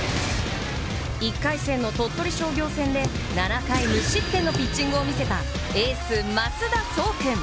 １回戦の鳥取商業戦で７回無失点のピッチングを見せたエース増田壮君。